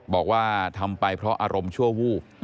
บอกว่าทำไปเพราะอารมณ์ชั่ววูบ